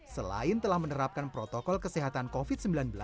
selain telah menerapkan protokol kesehatan covid sembilan belas